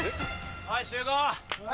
・はい集合！